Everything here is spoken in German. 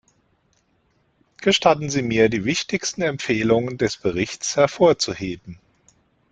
Gestatten Sie mir, die wichtigsten Empfehlungen des Berichts hervorzuheben.